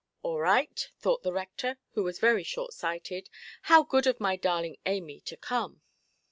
"All right", thought the rector, who was very short–sighted, "how good of my darling Amy to come!